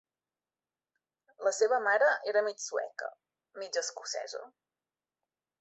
La seva mare era mig sueca, mig escocesa.